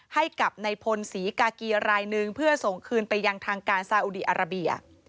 ให้กับในพลศรีกากีรายนึงเพื่อส่งคืนไปยังทางการซาอุดีอาราเบีย